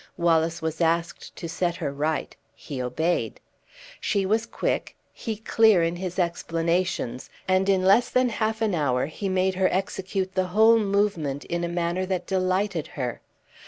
Wallace was asked to set her right; he obeyed. She was quick he clear in his explanations; and in less than half an hour he made her execute the whole movement in a manner that delighted her.